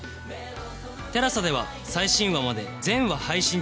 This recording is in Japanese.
ＴＥＬＡＳＡ では最新話まで全話配信中